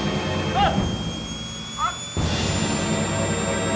あっ！